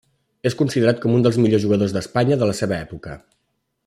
És considerat com un dels millors jugadors d'Espanya de la seva època.